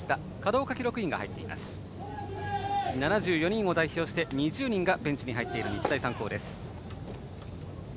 ７４人を代表して２０人がベンチに入っている日大三高です。